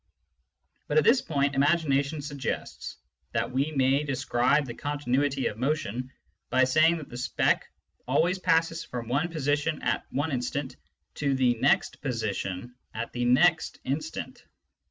But at this point imagination suggests that we may describe the continuity of motion by saying that the speck always passes from one position at one instant to the next position at the next instant.